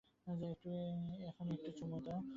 এখনই একটু চুমু দাও।